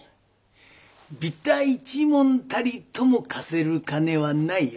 びた一文たりとも貸せる金はないよ。